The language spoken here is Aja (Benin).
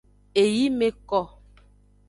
Eyi me ko.